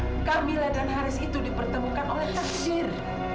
dengar kamila dan haris itu dipertemukan oleh takdir